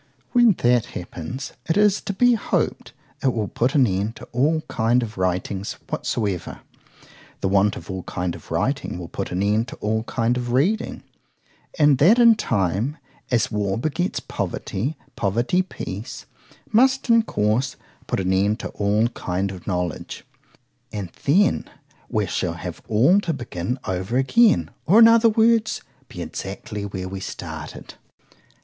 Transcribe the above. When that happens, it is to be hoped, it will put an end to all kind of writings whatsoever;—the want of all kind of writing will put an end to all kind of reading;—and that in time, As war begets poverty; poverty peace,——must, in course, put an end to all kind of knowledge,—and then——we shall have all to begin over again; or, in other words, be exactly where we started.